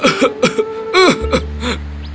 nafasmu berat sekali